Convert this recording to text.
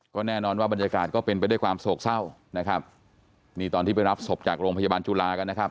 ก็แน่นอนว่าบรรยากาศก็เป็นไปด้วยความโศกเศร้านะครับนี่ตอนที่ไปรับศพจากโรงพยาบาลจุฬากันนะครับ